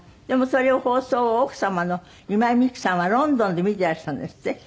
でもそれを放送を奥様の今井美樹さんはロンドンで見てらしたんですって？